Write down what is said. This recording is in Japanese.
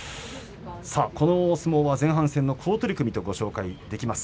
この相撲、前半戦の好取組とご紹介しておきます。